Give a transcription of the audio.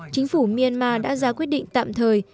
chính phủ myanmar đã ra quyết định tạm thời